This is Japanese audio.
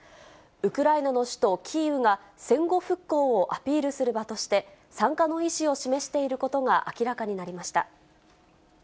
ウクライナの首都キーウが戦後復興をアピールする場として、参加の意思を示していることが明らかになりました。